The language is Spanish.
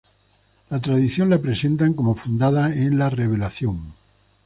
La tradición la presentan como fundada en la revelación.